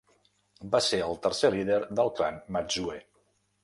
Va ser el tercer líder del clan Matsue.